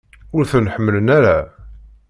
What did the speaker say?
Ur ten-ḥemmlen ara?